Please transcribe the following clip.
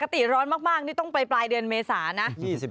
ติร้อนมากนี่ต้องไปปลายเดือนเมษานะ